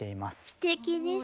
すてきですね。